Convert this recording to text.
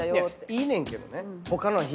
いいねんけどね。